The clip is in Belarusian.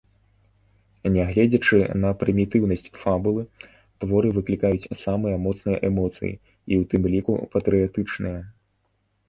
Нягледзячы на прымітыўнасць фабулы, творы выклікаюць самыя моцныя эмоцыі, і ў тым ліку патрыятычныя.